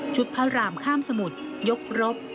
พระรามข้ามสมุทรยกรบ